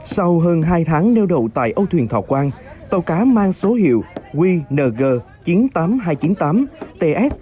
sau hơn hai tháng neo đậu tại âu thuyền thọ quang tàu cá mang số hiệu qng chín mươi tám nghìn hai trăm chín mươi tám ts